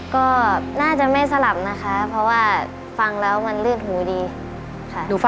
ก็น่าจะไม่สลับนะคะเพราะว่าฟังแล้วมันลืดหูดีค่ะ